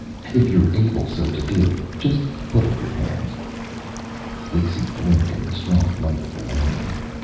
If you're able so to do, just put up your hands." Wixy blinked in the strong light of the lantern.